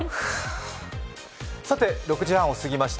さて６時半を過ぎました。